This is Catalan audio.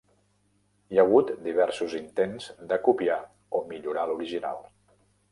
Hi ha hagut diversos intents de copiar o millorar l'original.